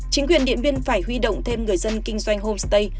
chính quyền điện biên phải huy động thêm người dân kinh doanh homestay